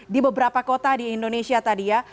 di beberapa kota di indonesia tadi ya